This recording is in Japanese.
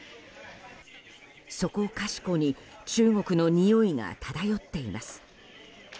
そこかしこに中国のにおいが漂っています。